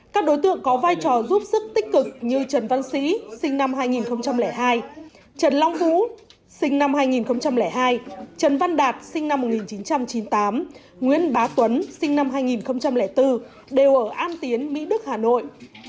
các đối tượng có vai trò giúp sức tích cực như trần văn sĩ sinh năm hai nghìn hai trần long vũ sinh năm hai nghìn hai trần văn đạt sinh năm một nghìn chín trăm chín mươi tám nguyễn bá tuấn sinh năm hai nghìn bốn đều ở an tiến mỹ đức hà nội